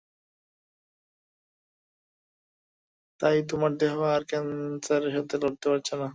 তাই তোমার দেহ আর ক্যান্সারের সাথে লড়তে পারছে না।